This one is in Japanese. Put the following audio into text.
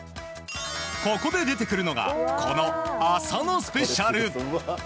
ここで出てくるのがこの浅野スペシャル。